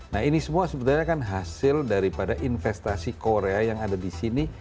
nah ini semua sebenarnya kan hasil daripada investasi korea yang ada di sini